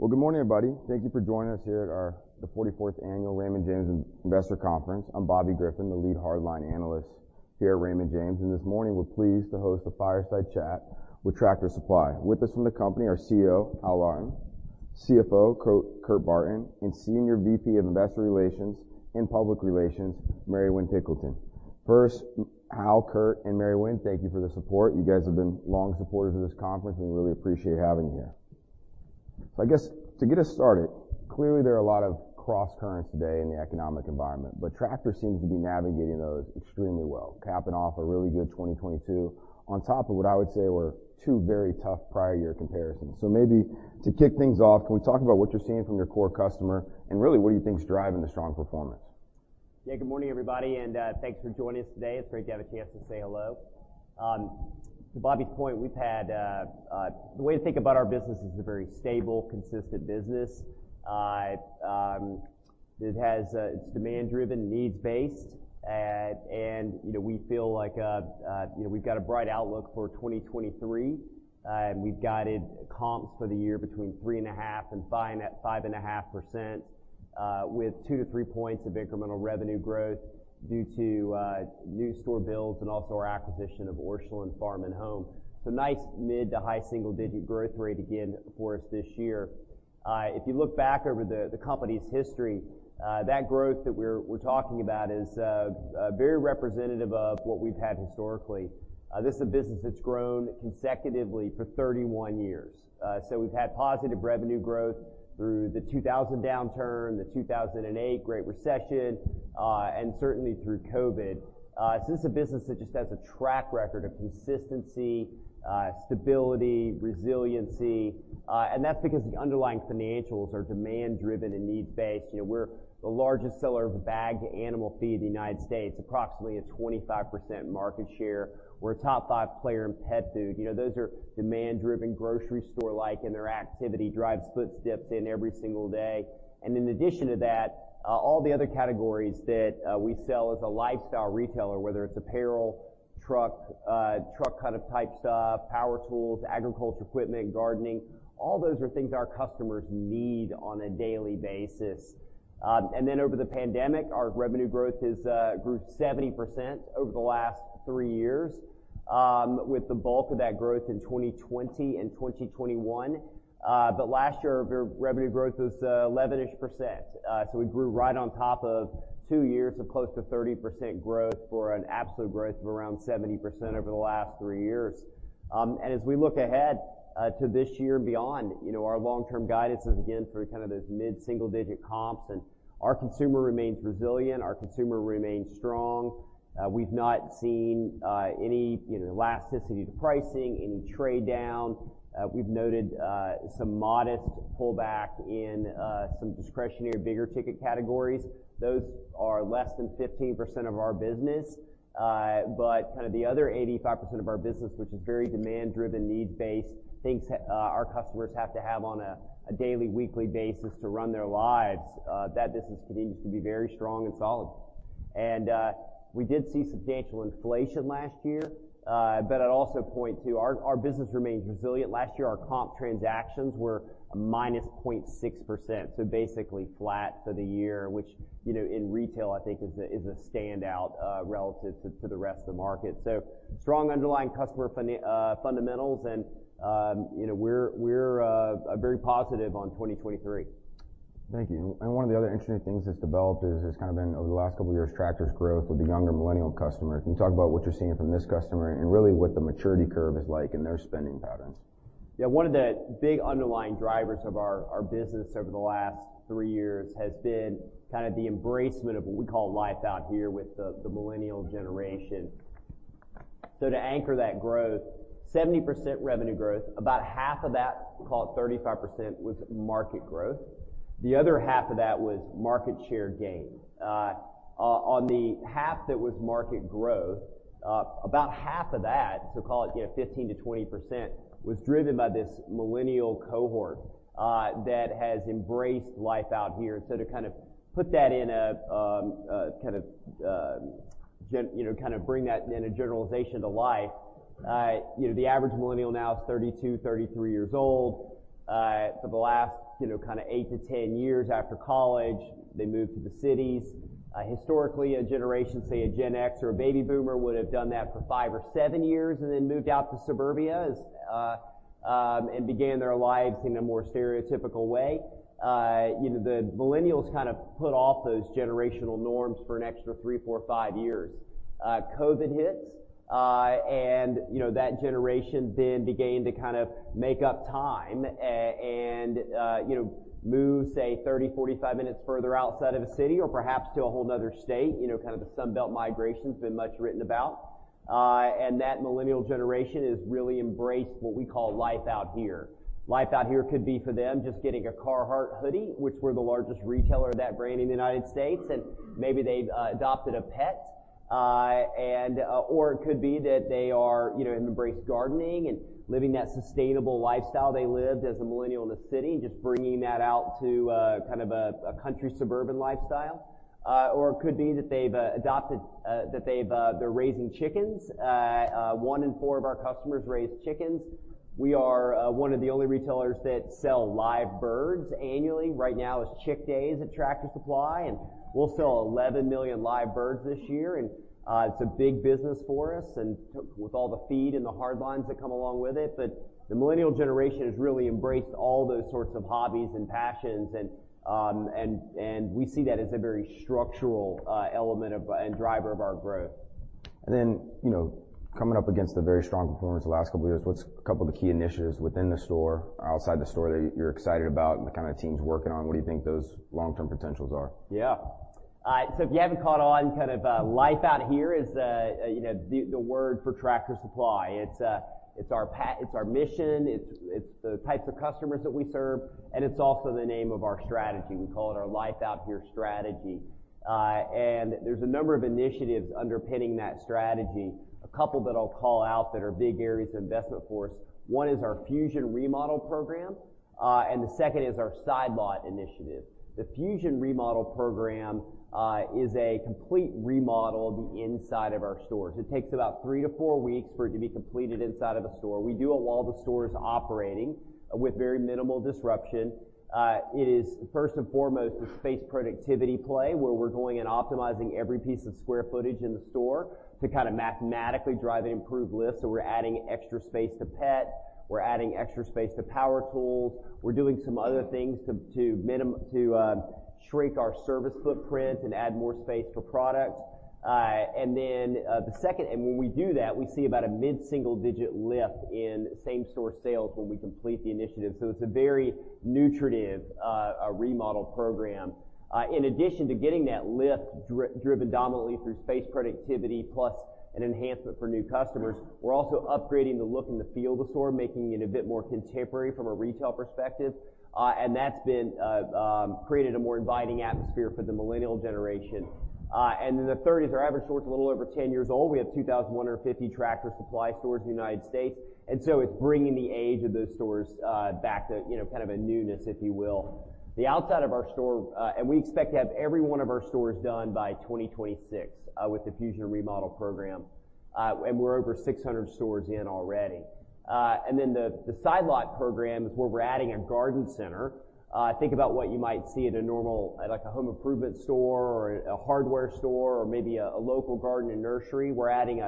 Well, good morning, everybody. Thank you for joining us here at the 44th Annual Raymond James Investor Conference. I'm Bobby Griffin, the Lead Hard Line Analyst here at Raymond James. This morning, we're pleased to host a fireside chat with Tractor Supply. With us from the company are CEO, Hal Lawton; CFO, Kurt Barton; and Senior VP of Investor Relations and Public Relations, Mary Winn Pilkington. First, Hal, Kurt, and Mary Winn, thank you for the support. You guys have been long supporters of this conference. We really appreciate having you here. I guess to get us started, clearly, there are a lot of crosscurrents today in the economic environment, but Tractor seems to be navigating those extremely well, capping off a really good 2022 on top of what I would say were two very tough prior year comparisons. Maybe to kick things off, can we talk about what you're seeing from your core customer and really what do you think is driving the strong performance? Good morning, everybody, thanks for joining us today. It's great to have a chance to say hello. To Bobby's point, the way to think about our business is a very stable, consistent business. It has its demand driven, needs-based. You know, we feel like, you know, we've got a bright outlook for 2023. We've guided comps for the year between 3.5% and 5.5%, with two to three points of incremental revenue growth due to new store builds and also our acquisition of Orscheln Farm and Home. Nice mid to high single-digit growth rate again for us this year. If you look back over the company's history, that growth that we're talking about is very representative of what we've had historically. This is a business that's grown consecutively for 31 years. We've had positive revenue growth through the 2000 downturn, the 2008 Great Recession, and certainly through COVID. This is a business that just has a track record of consistency, stability, resiliency, and that's because the underlying financials are demand-driven and needs-based. You know, we're the largest seller of bagged animal feed in the United States, approximately a 25% market share. We're a top five player in pet food. You know, those are demand-driven grocery store-like, their activity drives footsteps in every single day. In addition to that, all the other categories that we sell as a lifestyle retailer, whether it's apparel, truck kind of type stuff, power tools, agriculture equipment, gardening, all those are things our customers need on a daily basis. Over the pandemic, our revenue growth is grew 70% over the last three years, with the bulk of that growth in 2020 and 2021. Last year, our year revenue growth was 11-ish%. We grew right on top of two years of close to 30% growth for an absolute growth of around 70% over the last three years. As we look ahead to this year and beyond, you know, our long-term guidance is again through kind of this mid-single digit comps and our consumer remains resilient, our consumer remains strong. We've not seen any, you know, elasticity to pricing, any trade down. We've noted some modest pullback in some discretionary bigger ticket categories. Those are less than 15% of our business. Kind of the other 85% of our business, which is very demand-driven, need-based, things our customers have to have on a daily, weekly basis to run their lives, that business continues to be very strong and solid. We did see substantial inflation last year. I'd also point to our business remains resilient. Last year, our comp transactions were a minus 0.6%, so basically flat for the year, which, you know, in retail, I think is a standout relative to the rest of the market. Strong underlying customer fundamentals and, you know, we're very positive on 2023. Thank you. One of the other interesting things that's developed has kind of been over the last couple of years, Tractor's growth with the younger millennial customer. Can you talk about what you're seeing from this customer and really what the maturity curve is like in their spending patterns? Yeah. One of the big underlying drivers of our business over the last three years has been kind of the embracement of what we call Life Out Here with the millennial generation. To anchor that growth, 70% revenue growth, about half of that, call it 35%, was market growth. The other half of that was market share gain. On the half that was market growth, about half of that, so call it, you know, 15% to 20%, was driven by this millennial cohort that has embraced Life Out Here. To kind of put that in a, you know, kind of bring that in a generalization to life, you know, the average millennial now is 32, 33 years old. For the last, you know, kind of 8 to 10 years after college, they moved to the cities. Historically, a generation, say a Gen X or a baby boomer, would have done that for five or seven years and then moved out to suburbia as and began their lives in a more stereotypical way. You know, the millennials kind of put off those generational norms for an extra three, four, five years. COVID hits. You know, that generation then began to kind of make up time and, you know, move, say 30, 45 minutes further outside of the city or perhaps to a whole another state, you know, kind of the Sun Belt migration's been much written about. That millennial generation has really embraced what we call Life Out Here. Life Out Here could be for them just getting a Carhartt hoodie, which we're the largest retailer of that brand in the United States, and maybe they've adopted a pet. Or it could be that they are, you know, embrace gardening and living that sustainable lifestyle they lived as a millennial in the city, just bringing that out to kind of a country suburban lifestyle. Or it could be that they're raising chickens. One in four of our customers raise chickens. We are one of the only retailers that sell live birds annually. Right now is Chick Days at Tractor Supply, and we'll sell 11 million live birds this year. It's a big business for us with all the feed and the hard lines that come along with it. The Millennial generation has really embraced all those sorts of hobbies and passions and we see that as a very structural element of and driver of our growth. Then, you know, coming up against the very strong performance the last couple of years, what's a couple of the key initiatives within the store or outside the store that you're excited about and the kind of teams working on? What do you think those long-term potentials are? Yeah. If you haven't caught on kind of, you know, the word for Tractor Supply. It's our mission. It's the types of customers that we serve, it's also the name of our strategy. We call it our Life Out Here strategy. There's a number of initiatives underpinning that strategy. A couple that I'll call out that are big areas of investment for us. One is our Fusion remodel program, the second is our Side Lot initiative. The Fusion remodel program is a complete remodel of the inside of our stores. It takes about three to four weeks for it to be completed inside of a store. We do it while the store is operating with very minimal disruption. It is first and foremost a space productivity play, where we're going and optimizing every piece of square footage in the store to kind of mathematically drive an improved lift. We're adding extra space to pet. We're adding extra space to power tools. We're doing some other things to shrink our service footprint and add more space for products. When we do that, we see about a mid-single digit lift in same store sales when we complete the initiative. It's a very nutritive remodel program. In addition to getting that lift driven dominantly through space productivity plus an enhancement for new customers, we're also upgrading the look and the feel of the store, making it a bit more contemporary from a retail perspective. That's been created a more inviting atmosphere for the millennial generation. The 30s, our average store is a little over 10 years old. We have 2,050 Tractor Supply Stores in the United States. It's bringing the age of those stores back to kind of a newness, if you will. The outside of our store, we expect to have every one of our stores done by 2026 with the Fusion remodel program. We're over 600 stores in already. The Side Lot program is where we're adding a garden center. Think about what you might see at a normal, like a home improvement store or a hardware store or maybe a local garden and nursery. We're adding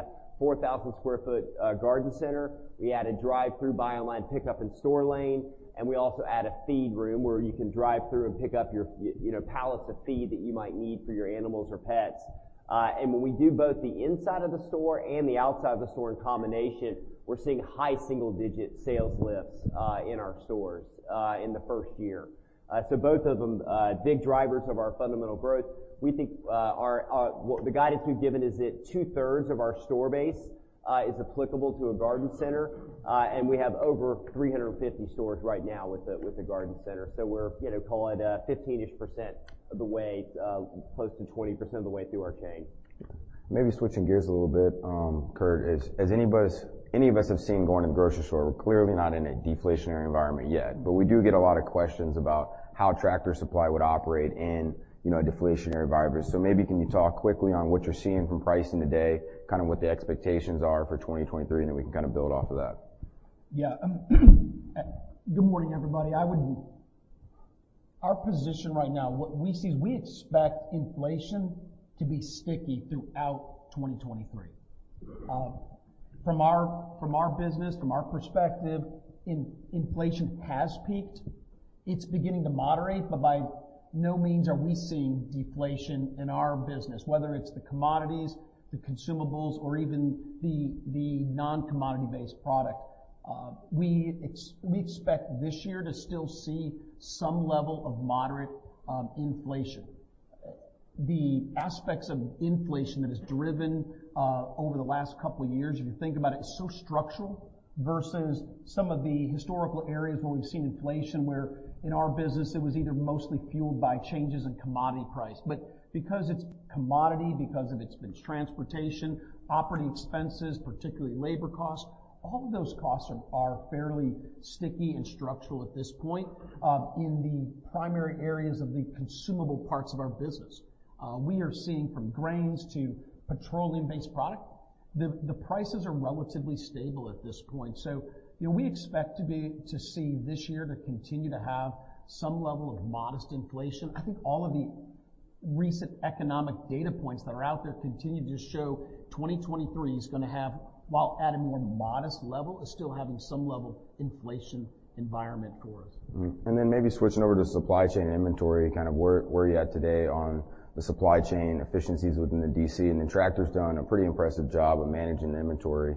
a 4,000 sq ft garden center. We add a drive-through buy online pickup and store lane, we also add a feed room where you can drive through and pick up your, you know, pallets of feed that you might need for your animals or pets. When we do both the inside of the store and the outside of the store in combination, we're seeing high single-digit sales lifts in our stores in the first year. Both of them big drivers of our fundamental growth. We think. Well, the guidance we've given is that two-thirds of our store base is applicable to a garden center. We have over 350 stores right now with the garden center. We're, you know, call it, 15-ish% of the way, close to 20% of the way through our chain. Maybe switching gears a little bit, Kurt, as any of us have seen going to the grocery store, we're clearly not in a deflationary environment yet. We do get a lot of questions about how Tractor Supply would operate in, you know, a deflationary environment. Maybe can you talk quickly on what you're seeing from pricing today, kind of what the expectations are for 2023, and then we can kind of build off of that? Yeah. Good morning, everybody. Our position right now, what we see is we expect inflation to be sticky throughout 2023. From our business, from our perspective, inflation has peaked. It's beginning to moderate, by no means are we seeing deflation in our business, whether it's the commodities, the consumables or even the non-commodity based product. We expect this year to still see some level of moderate inflation. The aspects of inflation that has driven over the last couple of years, if you think about it's so structural versus some of the historical areas where we've seen inflation, where in our business it was either mostly fueled by changes in commodity price. Because it's commodity, because of its transportation, operating expenses, particularly labor costs, all of those costs are fairly sticky and structural at this point. In the primary areas of the consumable parts of our business, we are seeing from grains to petroleum-based product, the prices are relatively stable at this point. You know, we expect to see this year to continue to have some level of modest inflation. I think all of the recent economic data points that are out there continue to show 2023 is gonna have, while at a more modest level, is still having some level inflation environment for us. Then maybe switching over to supply chain inventory, kind of where are you at today on the supply chain efficiencies within the DC? Tractor's done a pretty impressive job of managing the inventory,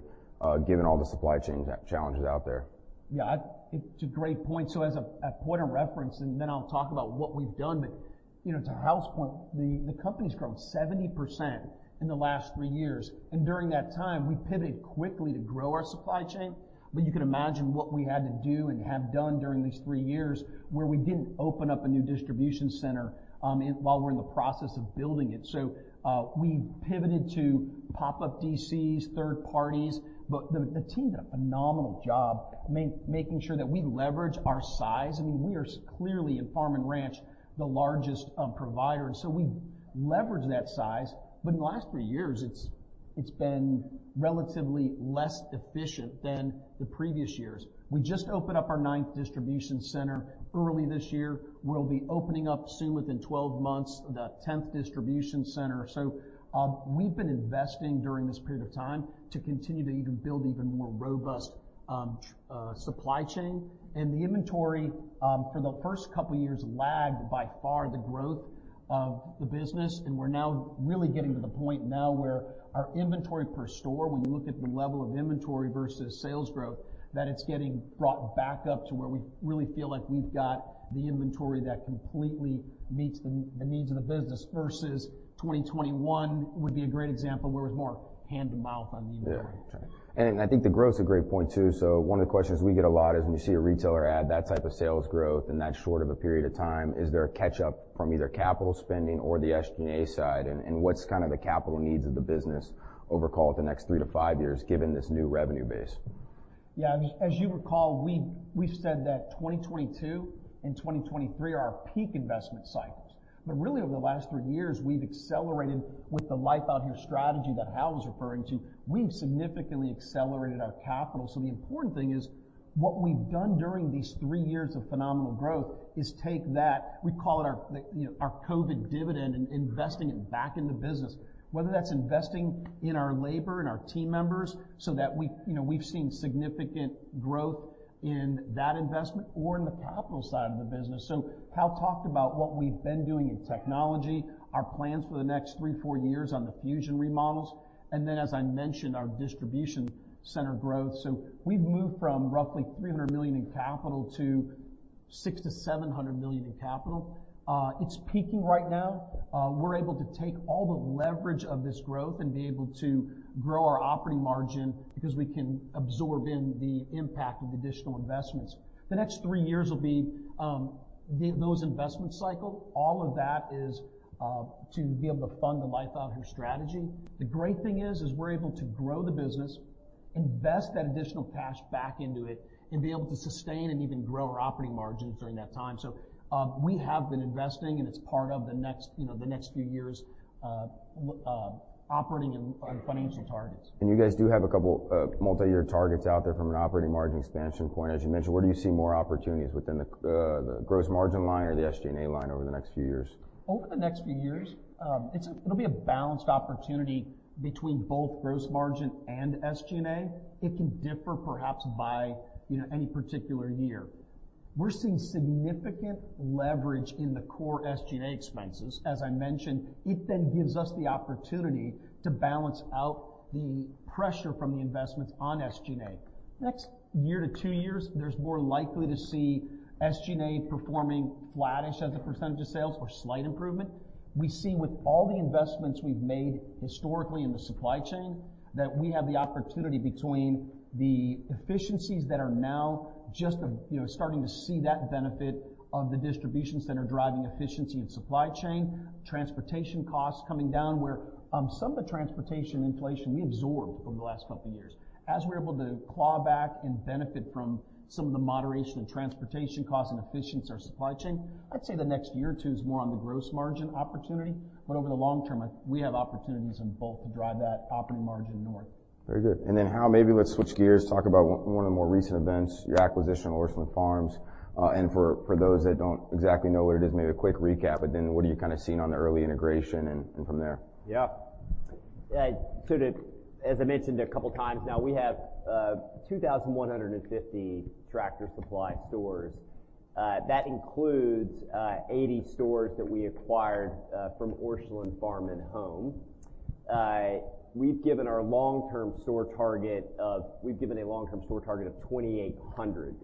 given all the supply chain challenges out there. Yeah, it's a great point. As a point of reference, and then I'll talk about what we've done. You know, to Hal's point, the company's grown 70% in the last three years, and during that time, we pivoted quickly to grow our supply chain. You can imagine what we had to do and have done during these three years, where we didn't open up a new distribution center while we're in the process of building it. We pivoted to pop-up DCs, third parties. The team did a phenomenal job making sure that we leverage our size. I mean, we are clearly, in farm and ranch, the largest provider. We leverage that size. In the last three years, it's been relatively less efficient than the previous years. We just opened up our ninth distribution center early this year. We'll be opening up soon, within 12 months, the 10th distribution center. We've been investing during this period of time to continue to even build even more robust supply chain. The inventory for the first couple years lagged by far the growth of the business, and we're now really getting to the point now where our inventory per store, when you look at the level of inventory versus sales growth, that it's getting brought back up to where we really feel like we've got the inventory that completely meets the needs of the business versus 2021 would be a great example where it was more hand-to-mouth on the inventory. Yeah. I think the growth's a great point too. One of the questions we get a lot is when you see a retailer add that type of sales growth in that short of a period of time, is there a catch-up from either capital spending or the SG&A side? What's kind of the capital needs of the business over, call it, the next three to five years, given this new revenue base? Yeah. I mean, as you recall, we've said that 2022 and 2023 are our peak investment cycles. Really, over the last three years, we've accelerated with the Life Out Here strategy that Hal was referring to, we've significantly accelerated our capital. The important thing is what we've done during these three years of phenomenal growth is take that, we call it our, you know, our COVID dividend, and investing it back in the business, whether that's investing in our labor and our team members, so that we've, you know, seen significant growth in that investment or in the capital side of the business. Hal talked about what we've been doing in technology, our plans for the next three, four years on the Fusion remodels, and then as I mentioned, our distribution center growth. We've moved from roughly $300 million in capital to $600 million to $700 million in capital. It's peaking right now. We're able to take all the leverage of this growth and be able to grow our operating margin because we can absorb in the impact of additional investments. The next three years will be, those investment cycle. All of that is to be able to fund the Life Out Here strategy. The great thing is we're able to grow the business, invest that additional cash back into it, and be able to sustain and even grow our operating margins during that time. We have been investing, and it's part of the next, you know, the next few years', operating and financial targets. You guys do have a couple, multi-year targets out there from an operating margin expansion point, as you mentioned. Where do you see more opportunities within the gross margin line or the SG&A line over the next few years? Over the next few years, it'll be a balanced opportunity between both gross margin and SG&A. It can differ perhaps by, you know, any particular year. We're seeing significant leverage in the core SG&A expenses, as I mentioned. It then gives us the opportunity to balance out the pressure from the investments on SG&A. Next year to two years, there's more likely to see SG&A performing flattish as a percent of sales or slight improvement. We see with all the investments we've made historically in the supply chain, that we have the opportunity between the efficiencies that are now just, you know, starting to see that benefit of the distributions that are driving efficiency in supply chain, transportation costs coming down, where some of the transportation inflation we absorbed over the last couple of years. We're able to claw back and benefit from some of the moderation in transportation costs and efficiency of our supply chain, I'd say the next year or two is more on the gross margin opportunity. Over the long term, we have opportunities in both to drive that operating margin north. Very good. Hal, maybe let's switch gears, talk about one of the more recent events, your acquisition of Orscheln Farms. For those that don't exactly know what it is, maybe a quick recap, but then what are you kind of seeing on the early integration and from there? Yeah, sort of, as I mentioned a couple of times now, we have 2,150 Tractor Supply stores. That includes 80 stores that we acquired from Orscheln Farm and Home. We've given a long-term store target of 2,800.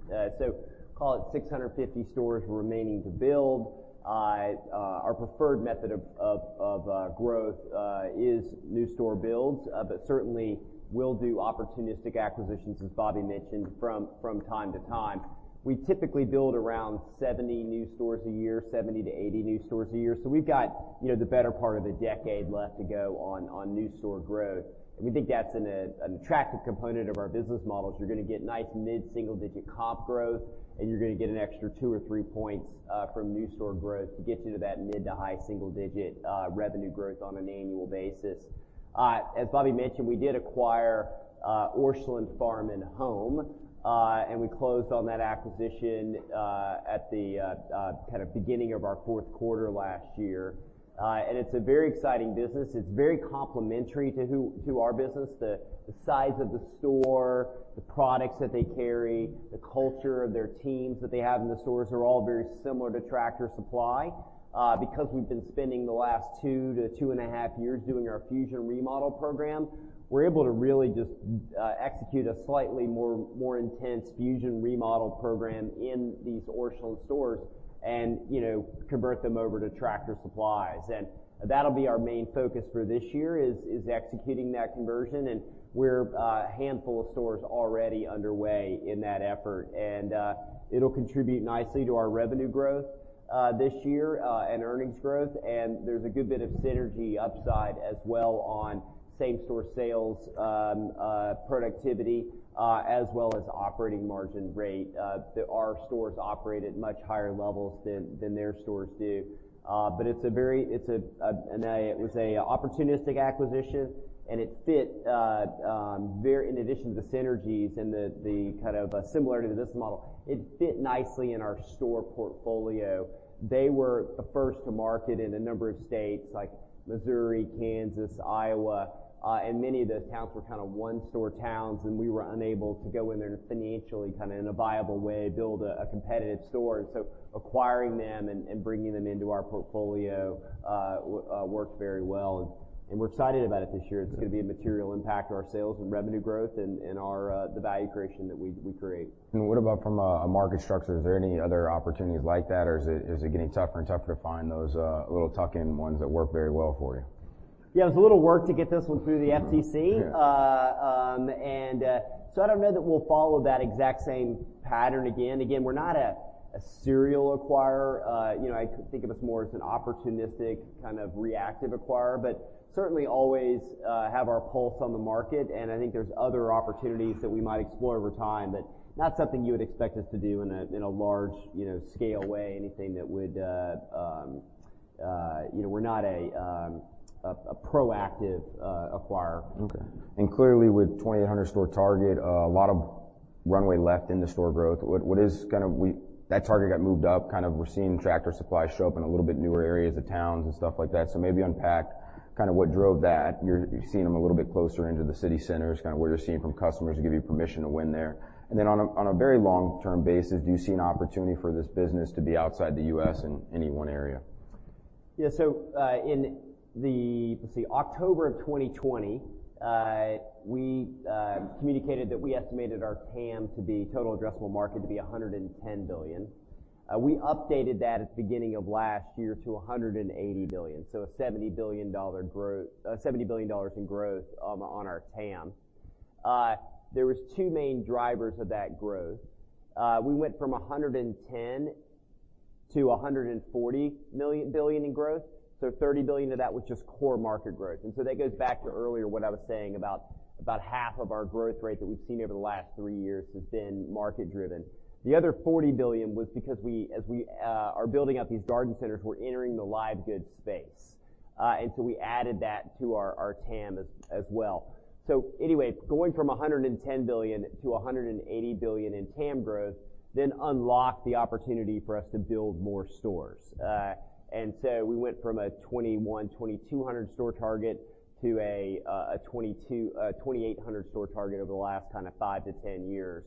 Call it 650 stores remaining to build. Our preferred method of growth is new store builds. But certainly we'll do opportunistic acquisitions, as Bobby mentioned, from time to time. We typically build around 70 new stores a year, 70-80 new stores a year. We've got, you know, the better part of a decade left to go on new store growth. We think that's an attractive component of our business model is you're gonna get nice mid-single digit comp growth, and you're gonna get an extra two or three points from new store growth to get you to that mid to high single digit revenue growth on an annual basis. As Bobby mentioned, we did acquire Orscheln Farm and Home, and we closed on that acquisition at the kind of beginning of our fourth quarter last year. It's a very exciting business. It's very complementary to our business. The size of the store, the products that they carry, the culture of their teams that they have in the stores are all very similar to Tractor Supply. Because we've been spending the last two to two and a half years doing our Fusion remodel program, we're able to really just execute a slightly more intense Fusion remodel program in these Orscheln stores and, you know, convert them over to Tractor Supplies. That'll be our main focus for this year, is executing that conversion. We're a handful of stores already underway in that effort. It'll contribute nicely to our revenue growth this year and earnings growth. There's a good bit of synergy upside as well on same-store sales, productivity, as well as operating margin rate. Our stores operate at much higher levels than their stores do. It was a opportunistic acquisition, and it fit very in addition to the synergies and the kind of similarity to this model, it fit nicely in our store portfolio. They were the first to market in a number of states like Missouri, Kansas, Iowa, and many of those towns were kind of one-store towns, and we were unable to go in there and financially, kind of in a viable way, build a competitive store. Acquiring them and bringing them into our portfolio worked very well. We're excited about it this year. It's gonna be a material impact to our sales and revenue growth and our the value creation that we create. What about from a market structure? Is there any other opportunities like that, or is it getting tougher and tougher to find those little tuck-in ones that work very well for you? Yeah. It was a little work to get this one through the FTC. Yeah. I don't know that we'll follow that exact same pattern again. Again, we're not a serial acquirer. You know, I think of us more as an opportunistic, kind of reactive acquirer, but certainly always have our pulse on the market. I think there's other opportunities that we might explore over time. Not something you would expect us to do in a, in a large, you know, scale way, anything that would. You know, we're not a proactive acquirer. Okay. Clearly, with 2,800 store target, a lot of runway left in the store growth. What is kind of That target got moved up, kind of we're seeing Tractor Supply show up in a little bit newer areas of towns and stuff like that. Maybe unpack kind of what drove that. You're seeing them a little bit closer into the city centers, kind of what you're seeing from customers to give you permission to win there. Then on a, on a very long-term basis, do you see an opportunity for this business to be outside the U.S. in any one area? Yeah. In the, let's see, October of 2020, we communicated that we estimated our TAM to be, total addressable market, to be $110 billion. We updated that at the beginning of last year to $180 billion. $70 billion in growth on our TAM. There was two main drivers of that growth. We went from $110 to $140 billion in growth. $30 billion of that was just core market growth. That goes back to earlier what I was saying about half of our growth rate that we've seen over the last three years has been market driven. The other $40 billion was because as we are building out these garden centers, we're entering the live goods space. We added that to our TAM as well. Anyway, going from a $110 billion to a $180 billion in TAM growth unlocked the opportunity for us to build more stores. We went from a 2,100-2,200 store target to a 2,800 store target over the last kind of 5-10 years.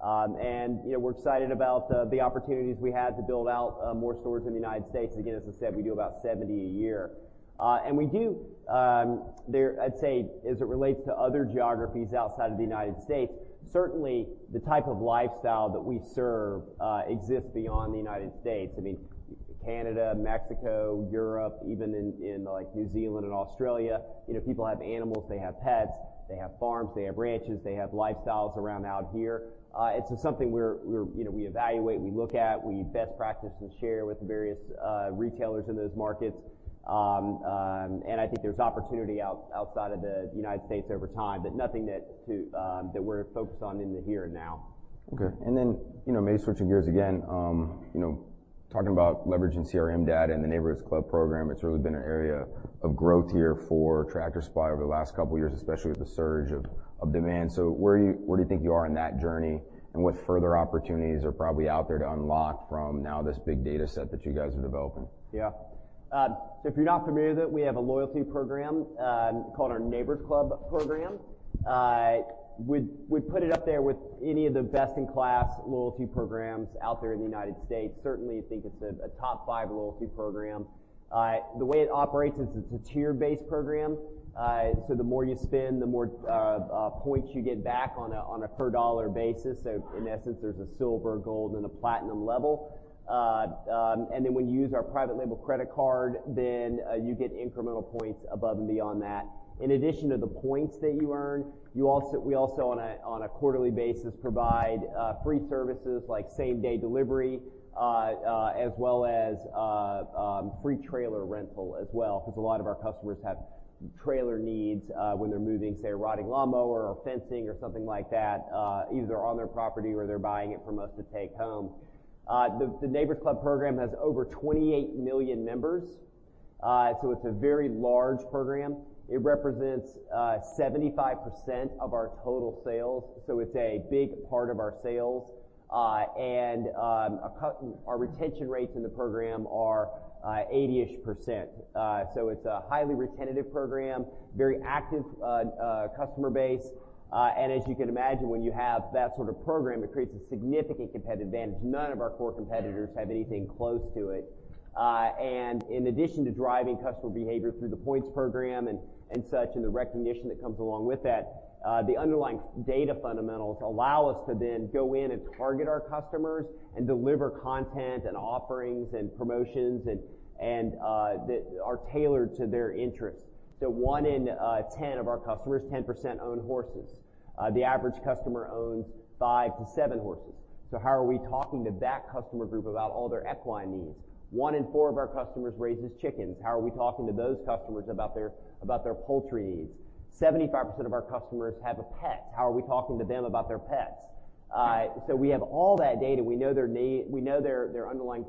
You know, we're excited about the opportunities we had to build out more stores in the United States. Again, as I said, we do about 70 a year. We do, I'd say as it relates to other geographies outside of the United States, certainly the type of lifestyle that we serve, exists beyond the United States. I mean, Canada, Mexico, Europe, even in like New Zealand and Australia, you know, people have animals, they have pets, they have farms, they have ranches, they have lifestyles around out here. It's just something we, you know, we evaluate, we look at, we best practice and share with the various retailers in those markets. I think there's opportunity outside of the United States over time, but nothing that to that we're focused on in the here and now. You know, maybe switching gears again, you know, talking about leveraging CRM data and the Neighbor's Club program, it's really been an area of growth here for Tractor Supply over the last couple years, especially with the surge of demand. Where do you think you are in that journey, and what further opportunities are probably out there to unlock from now this big data set that you guys are developing? If you're not familiar with it, we have a loyalty program called our Neighbor's Club program. We'd put it up there with any of the best-in-class loyalty programs out there in the United States, certainly think it's a top five loyalty program. The way it operates is it's a tier-based program. The more you spend, the more points you get back on a per dollar basis. In essence, there's a silver, gold, and a platinum level. When you use our private label credit card, then you get incremental points above and beyond that. In addition to the points that you earn, we also on a quarterly basis provide free services like same-day delivery as well as free trailer rental as well, because a lot of our customers have trailer needs when they're moving, say, a riding lawnmower or fencing or something like that either on their property or they're buying it from us to take home. The Neighbor's Club program has over 28 million members, so it's a very large program. It represents 75% of our total sales, so it's a big part of our sales. Our retention rates in the program are 80-ish percent. It's a highly retentive program, very active customer base. As you can imagine, when you have that sort of program, it creates a significant competitive advantage. None of our core competitors have anything close to it. In addition to driving customer behavior through the points program and such, and the recognition that comes along with that, the underlying data fundamentals allow us to then go in and target our customers and deliver content and offerings and promotions and that are tailored to their interests. One in 10 of our customers, 10% own horses. The average customer owns five to seven horses. How are we talking to that customer group about all their equine needs? One in four of our customers raises chickens. How are we talking to those customers about their poultry needs? 75% of our customers have a pet. How are we talking to them about their pets? We have all that data. We know their underlying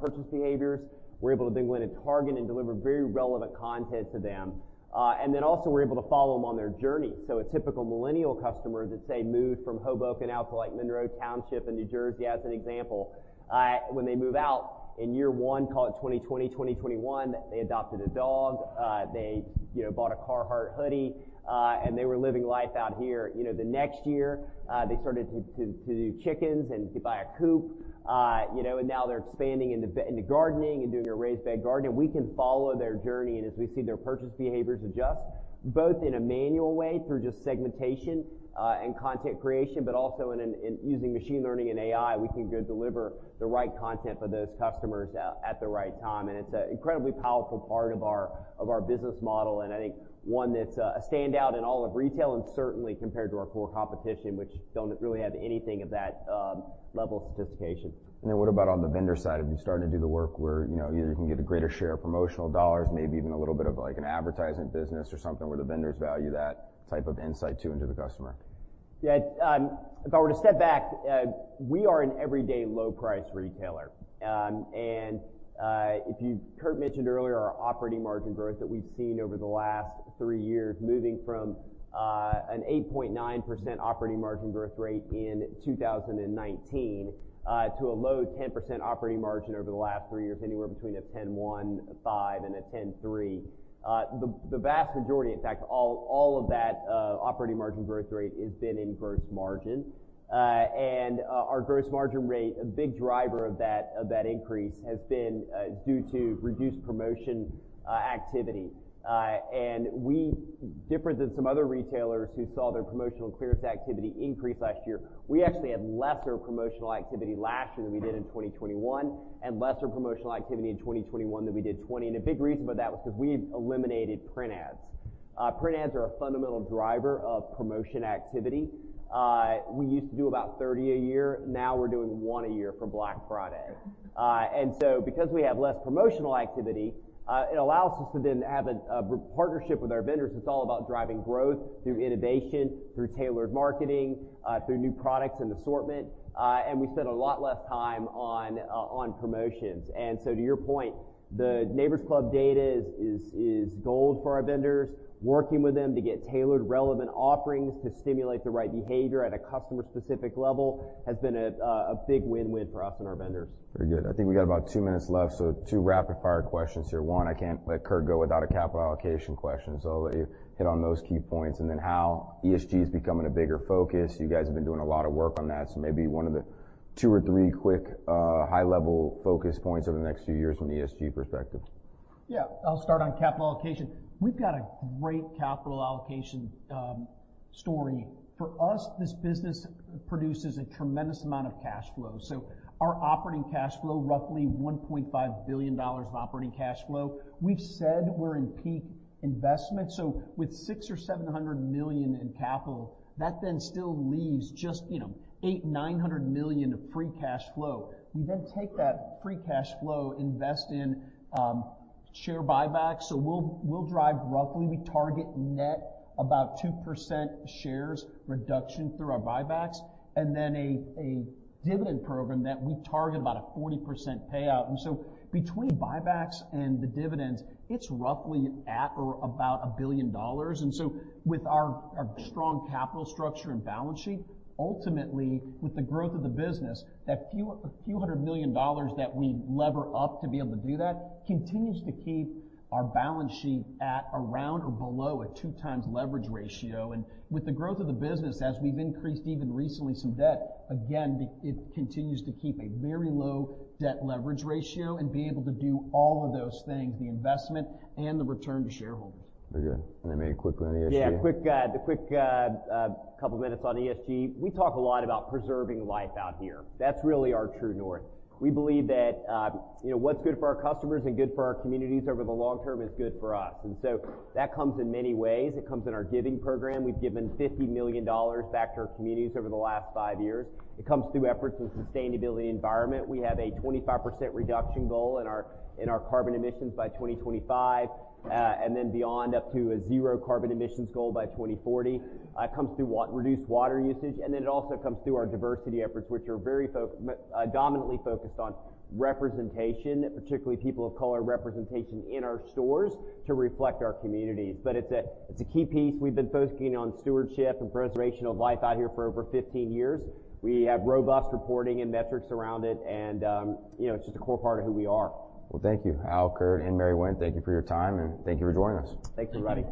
purchase behaviors. We're able to then go in and target and deliver very relevant content to them. We're able to follow them on their journey. A typical millennial customer that, say, moved from Hoboken out to like Monroe Township in New Jersey as an example, when they move out in year one, call it 2020, 2021, they adopted a dog, they, you know, bought a Carhartt hoodie, and they were living Life Out Here. You know, the next year, they started to do chickens and to buy a coop, you know, now they're expanding into gardening and doing a raised bed garden. We can follow their journey, and as we see their purchase behaviors adjust, both in a manual way through just segmentation and content creation, but also in using machine learning and AI, we can go deliver the right content for those customers at the right time. It's an incredibly powerful part of our business model, and I think one that's a standout in all of retail and certainly compared to our core competition, which don't really have anything of that level of sophistication. What about on the vendor side? Have you started to do the work where, you know, you can get a greater share of promotional dollars, maybe even a little bit of like an advertising business or something where the vendors value that type of insight too into the customer? If I were to step back, we are an everyday low price retailer. If Kurt mentioned earlier our operating margin growth that we've seen over the last three years, moving from an 8.9% operating margin growth rate in 2019, to a low 10% operating margin over the last three years, anywhere between a 10.1%, a 10.5%, and a 10.3%. The vast majority, in fact, all of that operating margin growth rate has been in gross margin. Our gross margin rate, a big driver of that increase has been due to reduced promotion activity. We, different than some other retailers who saw their promotional clearance activity increase last year, we actually had lesser promotional activity last year than we did in 2021, and lesser promotional activity in 2021 than we did 2020. A big reason for that was because we eliminated print ads. Print ads are a fundamental driver of promotion activity. We used to do about 30 a year. Now we're doing one a year for Black Friday. Because we have less promotional activity, it allows us to then have a partnership with our vendors that's all about driving growth through innovation, through tailored marketing, through new products and assortment. We spend a lot less time on promotions. To your point, the Neighbor's Club data is gold for our vendors. Working with them to get tailored relevant offerings to stimulate the right behavior at a customer-specific level has been a big win-win for us and our vendors. Very good. I think we got about two minutes left, so two rapid-fire questions here. One, I can't let Kurt go without a capital allocation question, so hit on those key points and then how ESG is becoming a bigger focus. You guys have been doing a lot of work on that, so maybe one of the two or three quick, high-level focus points over the next few years from the ESG perspective. Yeah. I'll start on capital allocation. We've got a great capital allocation story. For us, this business produces a tremendous amount of cash flow. Our operating cash flow, roughly $1.5 billion of operating cash flow. We've said we're in peak investment, with $600 million-$700 million in capital, that still leaves just, you know, $800 million-$900 million of free cash flow. We take that free cash flow, invest in share buybacks. We'll drive roughly, we target net about 2% shares reduction through our buybacks, a dividend program that we target about a 40% payout. Between buybacks and the dividends, it's roughly at or about $1 billion. With our strong capital structure and balance sheet, ultimately, with the growth of the business, that few hundred million dollars that we lever up to be able to do that continues to keep our balance sheet at around or below a two times leverage ratio. With the growth of the business, as we've increased even recently some debt, again, it continues to keep a very low debt leverage ratio and be able to do all of those things, the investment and the return to shareholders. Very good. Then maybe quickly on ESG? Yeah. Quick couple minutes on ESG. We talk a lot about preserving Life Out Here. That's really our true north. We believe that, you know, what's good for our customers and good for our communities over the long term is good for us. That comes in many ways. It comes in our giving program. We've given $50 million back to our communities over the last five years. It comes through efforts in sustainability and environment. We have a 25% reduction goal in our carbon emissions by 2025, and then beyond up to a zero carbon emissions goal by 2040. It comes through reduced water usage, then it also comes through our diversity efforts, which are very dominantly focused on representation, particularly people of color representation in our stores to reflect our communities. It's a key piece. We've been focusing on stewardship and preservation of Life Out Here for over 15 years. We have robust reporting and metrics around it and, you know, it's just a core part of who we are. Well, thank you. Hal, Kurt, and Mary Winn, thank you for your time, and thank you for joining us. Thank you, Bobby.